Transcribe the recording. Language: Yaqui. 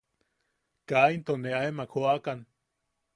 Kaa into ne aemak joʼakan.